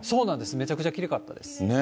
めちゃくちゃきれいかったです。